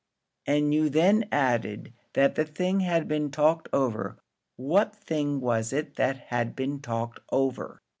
"And you then added that the thing had been talked over; what thing was it that had been talked over?"